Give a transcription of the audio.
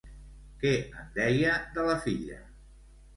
Què en deia de la filla?